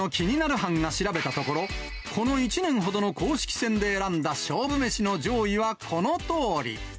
班が調べたところ、この１年ほどの公式戦で選んだ勝負飯の上位はこのとおり。